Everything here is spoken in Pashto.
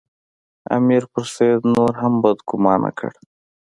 امیر پر سید نور هم بدګومانه کړ.